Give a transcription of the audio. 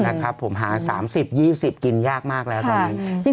นะครับผมหา๓๐๒๐กินยากมากแล้วตอนนี้